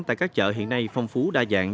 tại các chợ hiện nay phong phú đa dạng